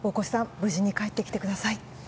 無事に帰ってきてください。